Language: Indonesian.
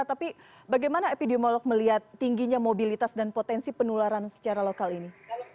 tapi bagaimana epidemiolog melihat tingginya mobilitas dan potensi penularan secara lokal ini